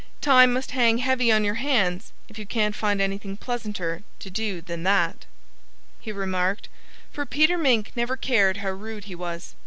"Time must hang heavy on your hands, if you can't find anything pleasanter to do than that," he remarked for Peter Mink never cared how rude he was.